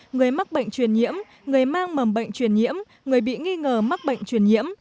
người mắc bệnh truyền nhiễm người mang mầm bệnh truyền nhiễm người bị nghi ngờ mắc bệnh truyền nhiễm